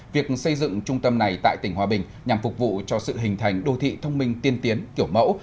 việc xây dựng trung tâm này tại tỉnh hòa bình nhằm phục vụ cho sự hình thành đô thị thông minh tiên tiến kiểu mẫu